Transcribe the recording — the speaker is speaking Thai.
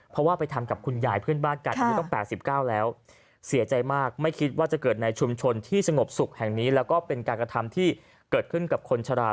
เพราะว่าไปทำกับคุณยายเพื่อนบ้านกันอยู่ต้องประสุนประจำ๘๙